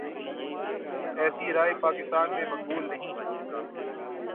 ایسی رائے پاکستان میں مقبول نہیں۔